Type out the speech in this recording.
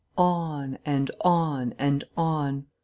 37 On and on and on.